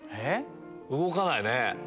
動かないね。